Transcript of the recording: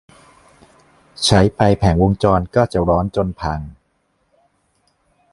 ใช้ไปแผงวงจรก็จะร้อนจนพัง